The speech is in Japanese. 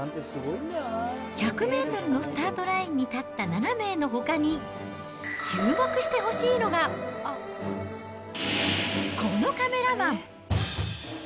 １００メートルのスタートラインに立った７名のほかに、注目してほしいのが、このカメラマン。